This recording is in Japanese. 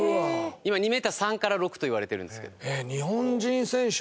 今２メーター３から６といわれてるんです。